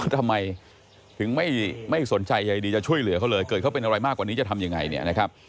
ทำไมถึงไม่สนใจใยดีจะช่วยเหลือเขาเลยเกิดเขาเป็นอะไรมากกว่านี้จะทำยังไงเนี่ยนะครับ